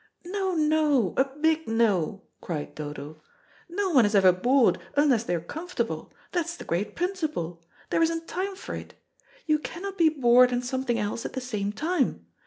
"No, no a big no," cried Dodo. "No one is ever bored unless they are comfortable. That's the great principle. There isn't time for it. You cannot be bored and something else at the same time.